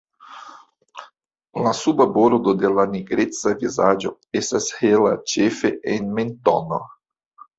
La suba bordo de la nigreca vizaĝo estas hela ĉefe en mentono.